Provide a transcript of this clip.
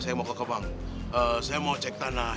saya mau cek tanah